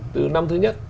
từ năm thứ nhất